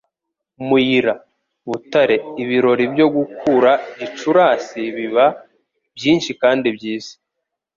Muyira – Butare Ibirori byo gukura Gicurasi biba byinshi kandi byiza.